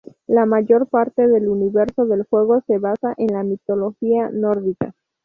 La mayor parte del universo del juego se basa en la mitología nórdica.